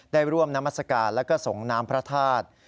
ได้ร่วมนามัศกาลแล้วก็ส่งน้ำพระธาตุ